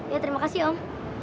ya terima kasih om